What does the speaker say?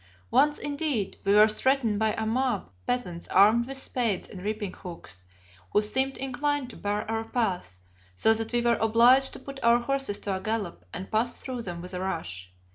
Once, indeed, we were threatened by a mob of peasants armed with spades and reaping hooks, who seemed inclined to bar our path, so that we were obliged to put our horses to a gallop and pass through them with a rush.